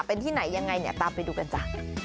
เป็นที่ไหนยังไงเนี่ยตามไปดูกันจ้ะ